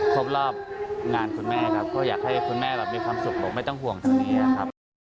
ครบรอบงานคุณแม่ครับเพราะอยากให้คุณแม่มีความสุขไม่ต้องห่วงเสียครับ